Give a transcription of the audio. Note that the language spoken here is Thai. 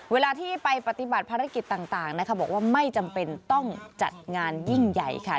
เวลาที่ไปปฏิบัติภารกิจต่างนะคะบอกว่าไม่จำเป็นต้องจัดงานยิ่งใหญ่ค่ะ